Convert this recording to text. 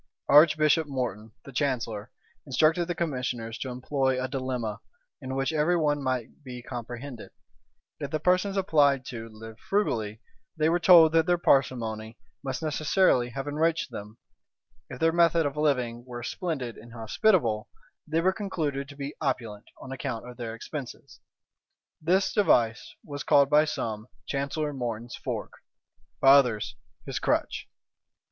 Archbishop Morton, the chancellor, instructed the commissioners to employ a dilemma, in which every one might be comprehended: if the persons applied to lived frugally, they were told that their parsimony must necessarily have enriched them; if their method of living were splendid and hospitable, they were concluded to be opulent on account of their expenses. This device was by some called Chancellor Morton's fork, by others his crutch.